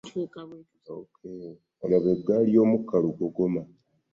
Laba eggaali y'omuka lugogoma.